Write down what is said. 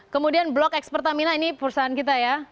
kemudian blok x pertamina ini perusahaan kita ya